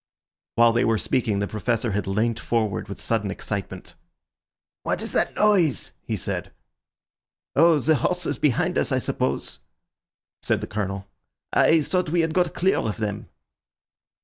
While they were speaking the Professor had leant forward with sudden excitement. "What is that noise?" he said. "Oh, the horses behind us, I suppose," said the Colonel. "I thought we had got clear of them."